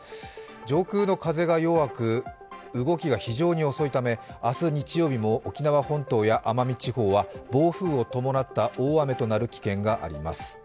上空の風が弱く動きが非常に遅いため、明日日曜日も沖縄本島や奄美地方は暴風を伴った大雨となる危険があります。